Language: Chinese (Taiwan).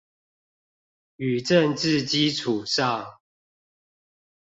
與政治基礎上